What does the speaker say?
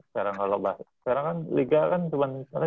sekarang kan liga kan cuma tiga empat bulan